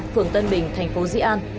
phường tân bình tp di an